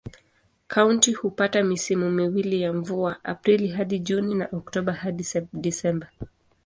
Kaunti hupata misimu miwili ya mvua: Aprili hadi Juni na Oktoba hadi Disemba.